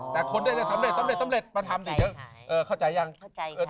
แต่คนโดยจะสำเร็จมาทำสิ